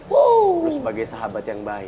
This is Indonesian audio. wow sebagai sahabat yang baik